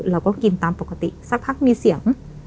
ห้ามกินก็คือกินตามปกติสักพักมีเสียง